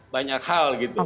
banyak hal gitu